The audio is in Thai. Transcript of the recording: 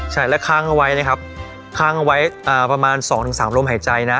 ใช่แล้วคล้างเอาไว้นะครับคล้างเอาไว้อ่าประมาณสองถึงสามลมหายใจนะ